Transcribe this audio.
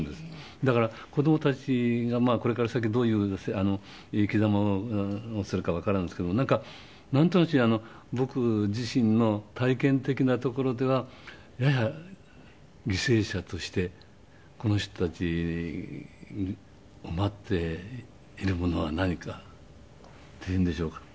だから子供たちがこれから先どういう生きざまをするかわからんですけどもなんかなんとなしに僕自身の体験的なところでは犠牲者としてこの人たちを待っているものは何かっていうんでしょうか。